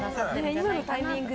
今のタイミング